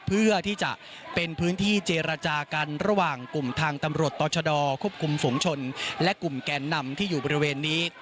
เพื่อที่จะเป็นพื้นที่เจรจากันระหว่างกลุ่มทางตำรวจต่อชะดอควบคุมฝุงชนและกลุ่มแกนนำที่อยู่บริเวณนี้